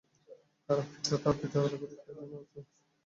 তাঁর পিতাঃ তার পিতা হলেন খতীব শিহাবউদ্দীন আবু হাফস উমর ইবন কাসীর।